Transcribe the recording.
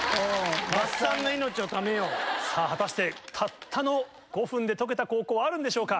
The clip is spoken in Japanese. さぁ果たしてたったの５分で解けた高校はあるんでしょうか？